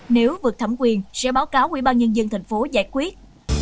nếu vượt thẩm quyền sẽ báo cáo quỹ ban nhân dân thành phố giải quyết